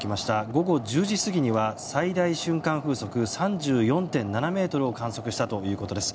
午後１０時過ぎには最大瞬間風速３４．７メートルを観測したということです。